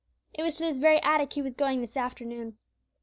It was to this very attic he was going this afternoon.